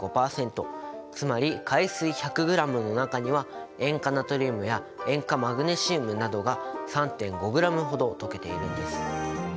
つまり海水１００ｇの中には塩化ナトリウムや塩化マグネシウムなどが３．５ｇほど溶けているんです。